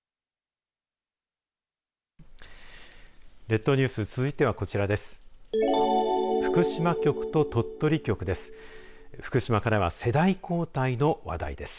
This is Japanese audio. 列島ニュース続いてはこちらです。